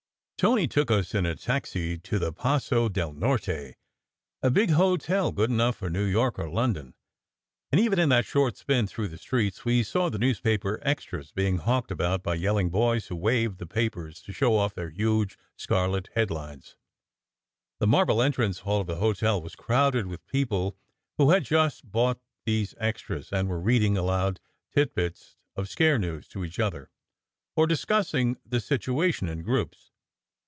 Tony took us in a taxi to the Paso del Norte, a big hotel good enough for New York or London; and even in that short spin through the streets, we saw the newspaper "extras" being hawked about by yelling boys who waved the papers to show off their huge scarlet headlines. The marble entrance hall of the hotel was crowded with peo ple who had just bought these extras, and were reading aloud tit bits of "scare" news to each other, or discussing the situation in groups.